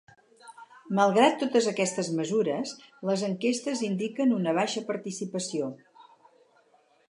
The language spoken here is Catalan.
Malgrat totes aquestes mesures, les enquestes indiquen una baixa participació.